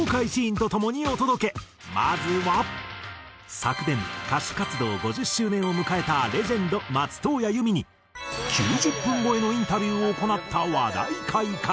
昨年歌手活動５０周年を迎えたレジェンド松任谷由実に９０分超えのインタビューを行った話題回から。